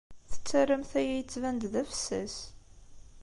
Tettarramt aya yettban-d d afessas.